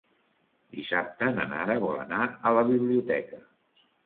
Dissabte na Nara vol anar a la biblioteca.